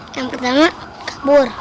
yang pertama kabur